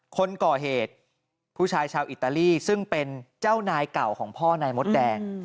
คนก่อเหตุผู้ชายชาวอิตาลีซึ่งเป็นเจ้านายเก่าของพ่อนายมดแดง